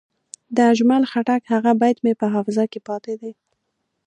د اجمل خټک هغه بیت مې په حافظه کې پاتې دی.